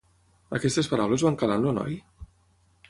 Aquestes paraules van calar en el noi?